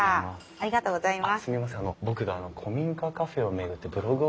ありがとうございます。